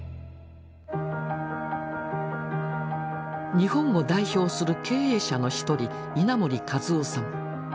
日本を代表する経営者の一人稲盛和夫さん。